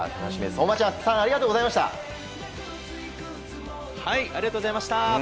大町さんありがとうございました。